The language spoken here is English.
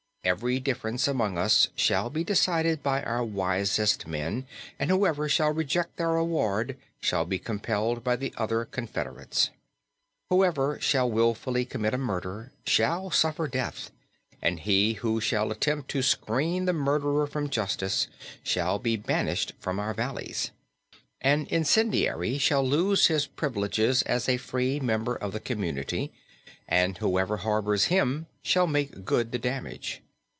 Every difference among us shall be decided by our wisest men; and whoever shall reject their award shall be compelled by the other confederates. Whoever shall wilfully commit a murder shall suffer death, and he who shall attempt to screen the murderer from justice shall be banished from our valleys. An incendiary shall lose his privileges as a free member of the community, and whoever harbors him shall make good the damage.